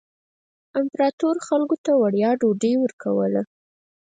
امپراتور خلکو ته وړیا ډوډۍ ورکوله.